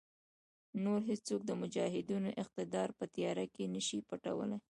نور هېڅوک د مجاهدینو اقتدار په تیاره کې نشي پټولای.